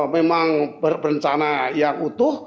memang berencana yang utuh